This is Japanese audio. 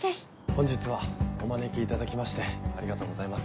本日はお招きいただきましてありがとうございます。